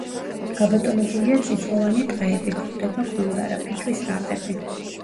გაბატონებულია წიწვოვანი ტყეები, გვხვდება ქონდარა ფიჭვის რაყები.